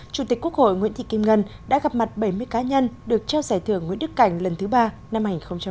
chủ tịch quốc hội nguyễn thị kim ngân đã gặp mặt bảy mươi cá nhân được trao giải thưởng nguyễn đức cảnh lần thứ ba năm hai nghìn một mươi chín